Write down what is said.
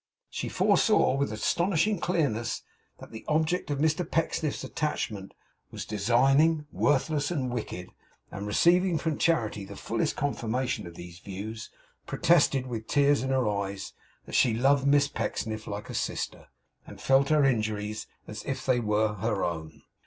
She foresaw with astonishing clearness that the object of Mr Pecksniff's attachment was designing, worthless, and wicked; and receiving from Charity the fullest confirmation of these views, protested with tears in her eyes that she loved Miss Pecksniff like a sister, and felt her injuries as if they were her own.